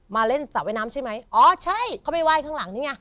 มาเล่นสระว่ายน้ำใช่ไหมอ๋อใช่เขาไปไห้ข้างหลังนี่ไง